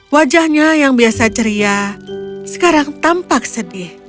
wajahnya yang biasa ceria sekarang tampak sedih